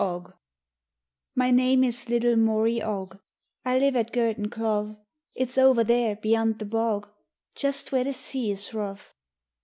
®qc M Y name is little Maury Oge, I live at Gurteen Clough ; It's over there beyant the bog, Just where the sea is rough.